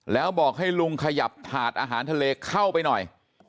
แล้วบอกให้ลุงขยับถาดอาหารทะเลเข้าไปหน่อย